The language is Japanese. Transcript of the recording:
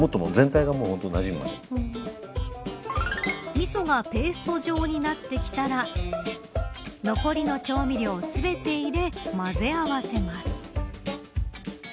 みそがペースト状になってきたら残りの調味料を全て入れ混ぜ合わせます。